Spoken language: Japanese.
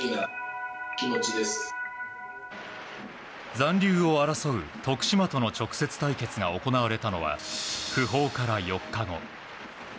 残留を争う徳島との直接対決が行われたのは訃報から４日後。